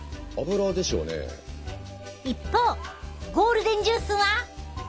ところがゴールデンジュースは。